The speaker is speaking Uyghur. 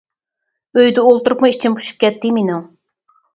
ئۆيدە ئولتۇرۇپمۇ ئىچىم پۇشۇپ كەتتى مىنىڭ.